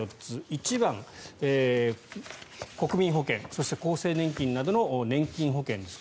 １番、国民保険そして厚生年金などの年金保険です。